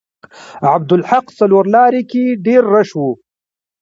عبدالحق څلور لارې کې ډیر رش و.